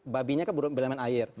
babinya kan berlemen air